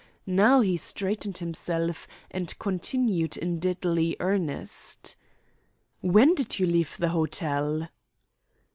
Now he straightened himself, and continued in deadly earnest: "When did you leave the hotel?"